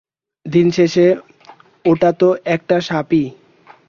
দিনশেষে ওটা তো একটা সাপই!